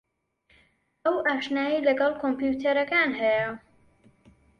ئەو ئاشنایی لەگەڵ کۆمپیوتەرەکان ھەیە.